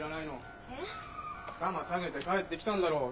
頭下げて帰ってきたんだろう？